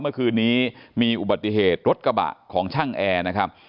เมื่อคืนนี้มีอุบัติเหตุรถกระบะของช่างแอร์นะครับ